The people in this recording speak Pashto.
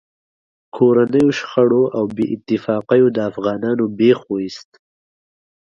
کورنیو شخړو او بې اتفاقیو د افغانانو بېخ و ایست.